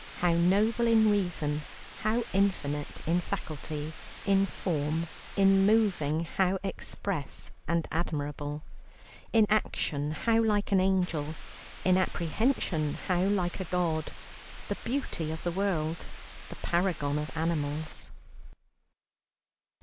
How noble in reason, how infinite in faculty, in form, in moving how express and admirable, in action how like an angel, in apprehension how like a god, the beauty of the world, the paragon of animals!"